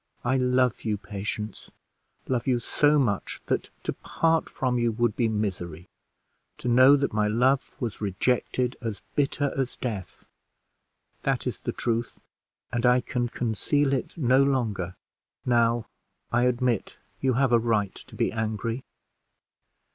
I love you, Patience; love you so much, that to part from you would be misery to know that my love was rejected, as bitter as death. That is the truth, and I can conceal it no longer. Now I admit you have a right to be angry."